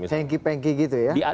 pengki pengki gitu ya